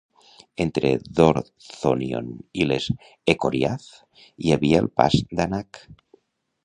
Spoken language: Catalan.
Entre Dorthonion i les Echoriath hi havia el Pas d'Anach.